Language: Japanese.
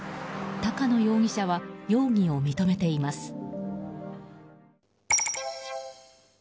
高野容疑者は容疑を認めています。